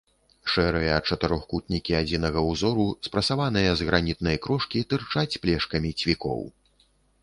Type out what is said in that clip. Шэрыя чатырохкутнікі адзінага ўзору, спрасаваныя з гранітнай крошкі, тырчаць плешкамі цвікоў.